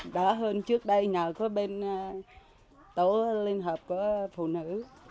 đó hơn trước đây nào có bên tổ liên hợp của phụ nữ